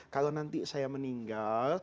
kalau nanti saya meninggal